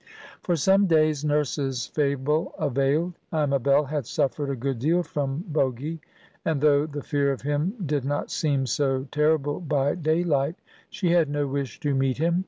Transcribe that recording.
For some days Nurse's fable availed. Amabel had suffered a good deal from Bogy; and, though the fear of him did not seem so terrible by daylight, she had no wish to meet him.